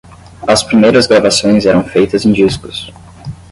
as primeiras gravações eram feitas em discos